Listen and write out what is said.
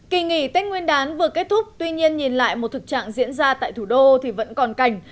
kỳ nghỉ tết nguyên đán vừa kết thúc tuy nhiên nhìn lại một thực trạng diễn ra tại thủ đô thì vẫn còn cảnh